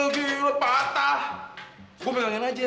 jangan gitu itu